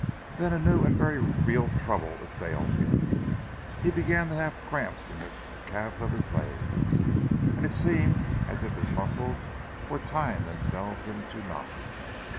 Then a new and very real trouble assailed him. He began to have cramps in the calves of his legs, and it seemed as if his muscles were tying themselves into knots.